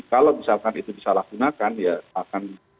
kalau misalkan itu disalahgunakan ya akan